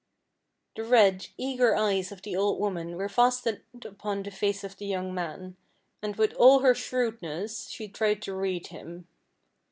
The red, eager eyes of the old woman were fastened upon the face of the young man, and with all her shrewdness she tried to read him.